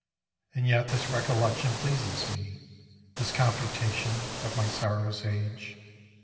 And yet this recollection pleases me, This computation of my sorrow's age.